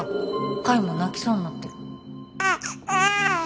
海も泣きそうになってる